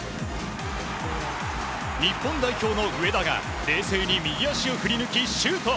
日本代表の上田が冷静に右足を振り抜きシュート！